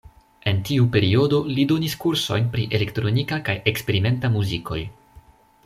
En tiu periodo li donis kursojn pri elektronika kaj eksperimenta muzikoj.